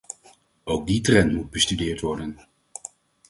Ook die trend moet bestudeerd worden.